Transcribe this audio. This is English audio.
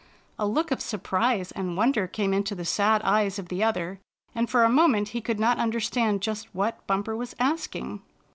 A look of surprise and wonder came into the sad eyes of the other, and for a moment he could not understand just what Bumper was asking.